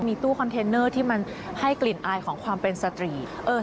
มีตู้คอนเทนเนอร์ที่มันให้กลิ่นอายของความเป็นสตรีท